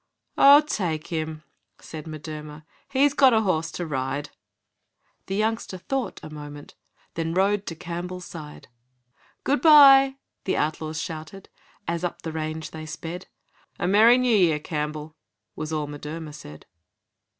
'Oh, take him!' said M'Durmer, 'He's got a horse to ride.' The youngster thought a moment, Then rode to Campbell's side 'Good bye!' the outlaws shouted, As up the range they sped. 'A Merry New Year, Campbell,' Was all M'Durmer said.